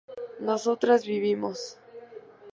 nosotras vivimos